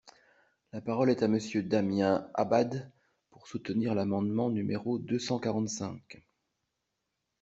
La parole est à Monsieur Damien Abad, pour soutenir l’amendement numéro deux cent quarante-cinq.